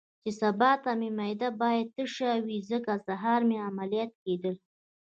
چې سبا ته مې معده باید تشه وي، ځکه سهار مې عملیات کېدل.